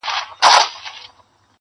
دا ماته هینداره جوړومه نور ,